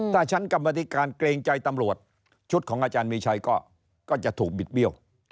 ถ้าชั้นกรรมธิการเกรงใจตำรวจชุดของอาจารย์มีชัยก็จะถูกบิดเบี้ยว